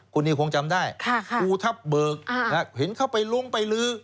คุณนิวคงจำได้ภูทับเบิกเห็นเข้าไปลุ้งไปลื้อ